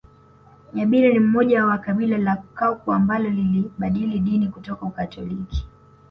Nyabire ni mmoja wa kabila la Kakwa ambalo lilibadili dini kutoka Ukatoliki